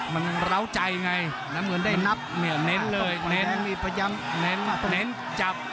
มันเหล้าใจไงมันเหมือนได้เน้นเลยเน้นเน้นจับ